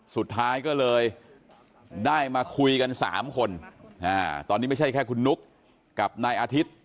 สุดท้ายก็เลยได้มาคุยกัน๓คนตอนนี้ไม่ใช่แค่คุณนุ๊กกับนายอาทิตย์